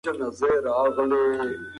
هغوی لا هم د څېړني لارې لټوي.